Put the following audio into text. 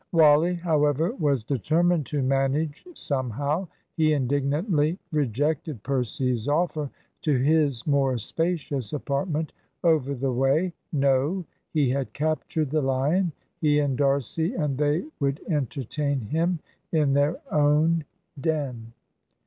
Wally, however, was determined to manage somehow. He indignantly rejected Percy's offer to his more spacious apartment over the way. No. He had captured the lion he and D'Arcy and they would entertain him in their own den.